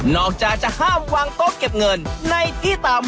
จากจะห้ามวางโต๊ะเก็บเงินในที่ต่ำ